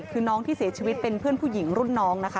คือน้องที่เสียชีวิตเป็นเพื่อนผู้หญิงรุ่นน้องนะคะ